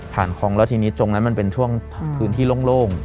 คลองแล้วทีนี้ตรงนั้นมันเป็นช่วงพื้นที่โล่ง